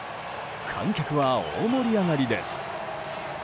観客は大盛り上がりです。